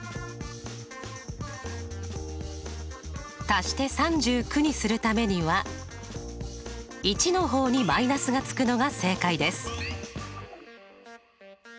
足して３９にするためには１の方に−がつくのが正解です。